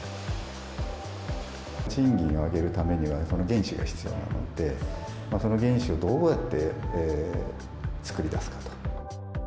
賃金を上げるためには、その原資が必要なので、その原資をどうやって作り出すかと。